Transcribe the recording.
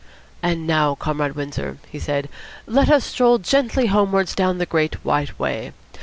"And now, Comrade Windsor," he said, "let us stroll gently homewards down the Great White Way.